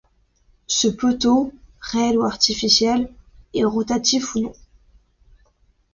Ce poteau, réel ou artificiel, est rotatif ou non.